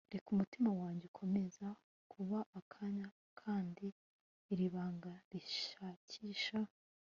reka umutima wanjye ukomeze kuba akanya kandi iri banga rishakisha